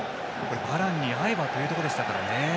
バランに合えばというところでしたからね。